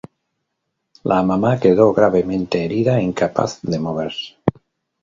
La mamá quedó gravemente herida, incapaz de moverse.